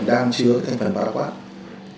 đang chứa cái thành phần paraquat